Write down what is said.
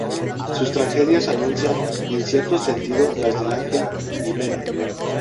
Sus tragedias anuncian, en cierto sentido, las de Ángel Guimerá.